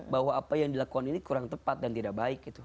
bahwa apa yang dilakukan ini kurang tepat dan tidak baik